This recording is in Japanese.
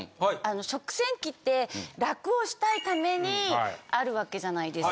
食洗機って楽をしたいためにあるわけじゃないですか。